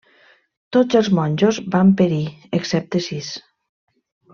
Tots els monjos van perir, excepte sis.